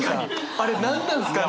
あれ何なんすかね？